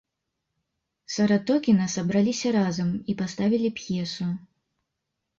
Саратокіна сабраліся разам і паставілі п'есу.